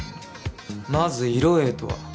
まず色営とは。